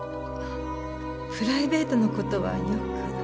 プライベートの事はよく。